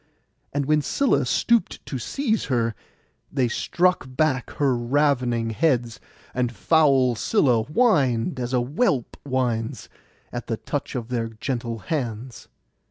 And when Scylla stooped to seize her, they struck back her ravening heads, and foul Scylla whined, as a whelp whines, at the touch of their gentle hands.